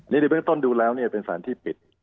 ในเรื่องต้นดูแล้วเป็นสารที่ปิด